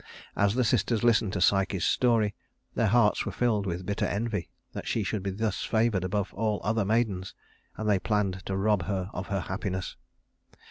As the sisters listened to Psyche's story, their hearts were filled with bitter envy that she should be thus favored above all other maidens; and they planned to rob her of her happiness.